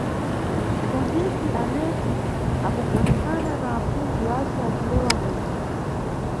Mʼpfundzisi Aneti akugonekana na apfundzi wace acilewa kuti.